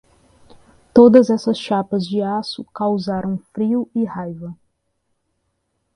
Todas essas chapas de aço causaram frio e raiva.